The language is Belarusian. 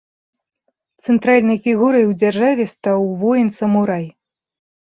Цэнтральнай фігурай ў дзяржаве стаў воін-самурай.